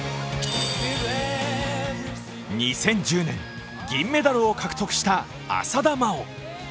２０１０年、銀メダルを獲得した浅田真央。